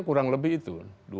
kurang lebih itu dua puluh lima